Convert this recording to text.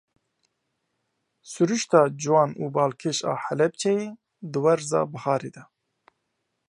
Siruşta ciwan û balkêş a Helebceyê di werza biharê de.